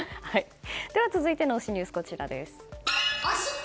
では、続いての推しニュースです。